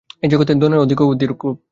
এই জগতে ধনের অধিকারও ঐরূপ।